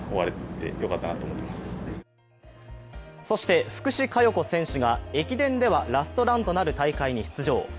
そして、福士加代子選手が駅伝ではラストランとなる大会に出場。